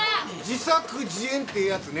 自作自演ってやつね。